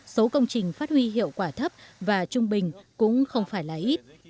số công trình phát huy hiệu quả thấp và trung bình cũng không phải là ít